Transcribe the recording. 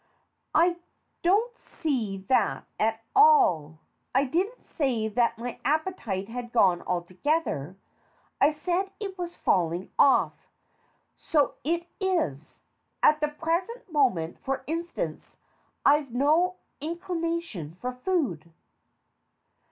I don't see that at all. I didn't say that my appetite had gone altogether. I said it was falling off. So it is. At the present moment, for instance, I've no in clination for food.